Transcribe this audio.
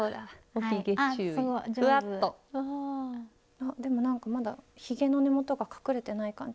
あでもなんかまだひげの根元が隠れてない感じ。